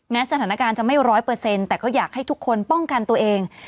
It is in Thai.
สถานการณ์จะไม่ร้อยเปอร์เซ็นต์แต่ก็อยากให้ทุกคนป้องกันตัวเอง